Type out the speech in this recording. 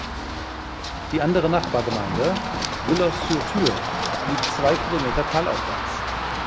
Die andere Nachbargemeinde, Willer-sur-Thur, liegt zwei Kilometer talaufwärts.